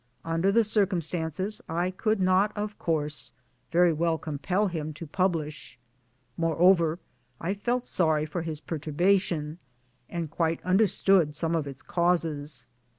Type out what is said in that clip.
Under the circumstances I could not, of course, very well compel him to pub lish. Moreover I felt sorry for his perturbation, and quite understood some of its causes.